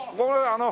あの。